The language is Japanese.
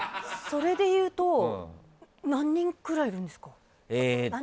それで言うと、何人くらいいるんですか？